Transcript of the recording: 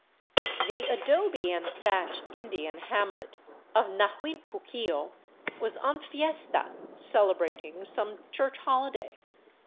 The adobe and thatch Indian hamlet of Nahuinpuquio was en fiesta, celebrating some church holiday.